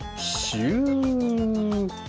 シュ。